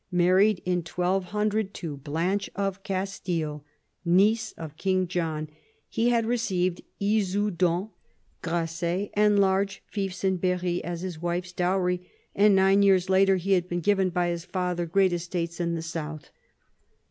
Married in 1200 to Blanche of Castile, niece of King John, he had received Issoudun, Gra^ay, and large fiefs in Berry, as his wife's dowry, and nine years later he had been given by his father great estates in the South.